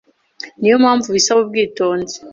niyo mpamvu bisaba ubwitonzi